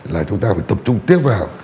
là chúng ta phải tập trung tiếp vào